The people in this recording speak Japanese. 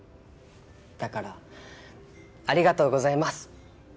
だからありがとうございます。